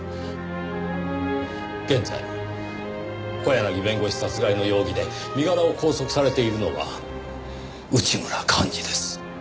現在小柳弁護士殺害の容疑で身柄を拘束されているのは内村完爾です。